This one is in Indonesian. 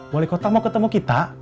wali kota mau ketemu kita